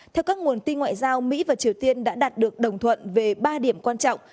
theo các nguồn tin ngoại giao mỹ và triều tiên đã đạt được đồng thuận về ba điểm quan trọng